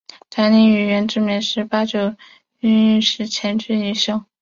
柴玲与远志明同是八九民运的前学运领袖。